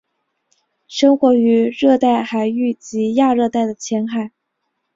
生活于热带海域及亚热带的浅海。